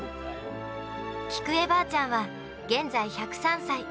菊恵ばあちゃんは現在１０３歳。